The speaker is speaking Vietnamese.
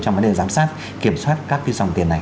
trong vấn đề giám sát kiểm soát các dòng tiền này